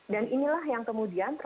dan inilah yang kemudian